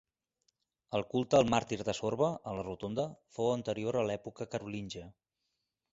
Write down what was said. El culte al màrtir de Sorba, a la rotonda, fou anterior a l'època carolíngia.